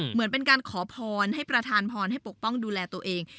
เหมือนเป็นการขอพรให้ประธานพรให้ปกป้องดูแลตัวเอง